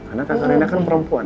karena kakak rena kan perempuan